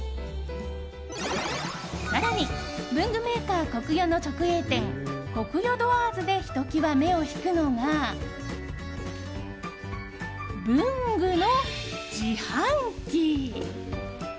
更に、文具メーカーコクヨの直営店ＫＯＫＵＹＯＤＯＯＲＳでひときわ目を引くのが文具の自販機。